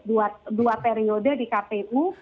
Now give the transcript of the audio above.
dua periode di kpu